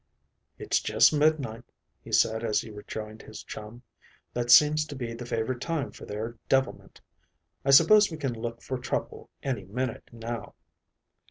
"It's just midnight," he said as he rejoined his chum. "That seems to be the favorite time for their devilment. I suppose we can look for trouble any minute now."